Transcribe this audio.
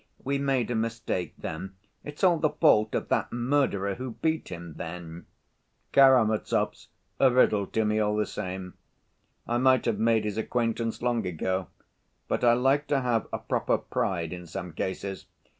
We made a mistake then. It's all the fault of that murderer who beat him then." "Karamazov's a riddle to me all the same. I might have made his acquaintance long ago, but I like to have a proper pride in some cases.